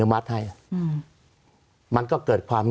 สวัสดีครับทุกคน